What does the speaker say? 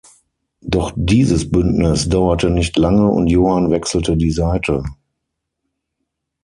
Doch dieses Bündnis dauerte nicht lange und Johann wechselte die Seite.